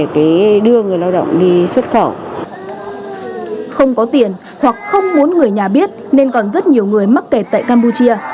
không có tiền hoặc không muốn người nhà biết nên còn rất nhiều người mắc kẹt tại campuchia